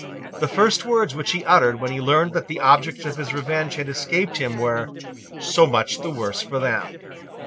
The first words which he uttered when he learned that the objects of his revenge had escaped him were, "So much the worse for them."